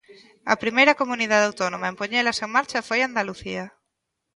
A primeira comunidade autónoma en poñelas en marcha foi Andalucía.